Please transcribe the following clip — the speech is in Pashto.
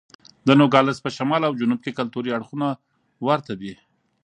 د نوګالس په شمال او جنوب کې کلتوري اړخونه ورته دي.